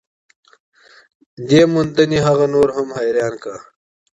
دا موندنه هغې نوره هم حیرانه کړه.